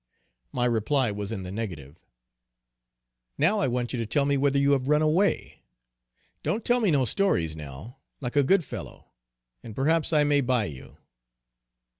My reply was in the negative. "Now I want you to tell me whether you have run away? Don't tell me no stories now, like a good fellow, and perhaps I may buy you."